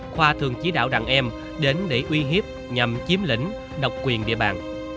khoa thường chỉ đạo đàn em đến để uy hiếp nhằm chiếm lĩnh độc quyền địa bàn